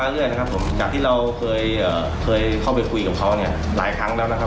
คือมันคุ้มค่ะคือเราไม่ไหวกัน